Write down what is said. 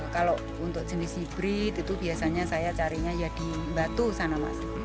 kalau untuk jenis hybrid itu biasanya saya carinya ya di batu sana mas